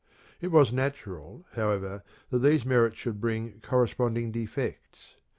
It was natural, however, that these merits should bring corresponding defects.